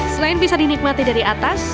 selain bisa dinikmati dari atas